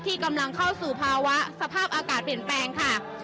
กำลังเข้าสู่ภาวะสภาพอากาศเปลี่ยนแปลงค่ะ